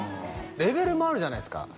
レベルもあるじゃないですか